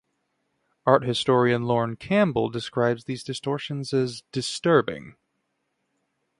Art historian Lorne Campbell describes these distortions as "disturbing".